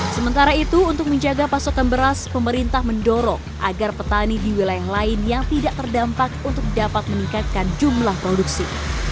sementara itu untuk menjaga pasokan beras pemerintah mendorong agar petani di wilayah lain yang tidak terdampak untuk dapat meningkatkan jumlah produksi